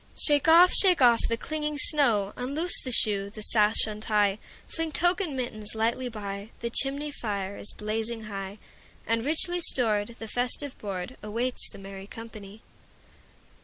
Shake off, shake off the clinging snow; Unloose the shoe, the sash untie, Fling tuque and mittens lightly by; The chimney fire is blazing high, And, richly stored, the festive boardAwaits the merry company.